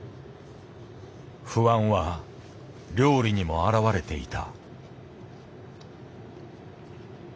不安は料理にも表れていた。